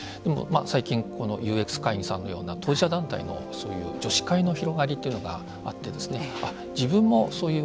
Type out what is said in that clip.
最近、このＵＸ会議さんのような当事者団体の、そういう女子会の広がりというのがあってですねあっ、自分もそういう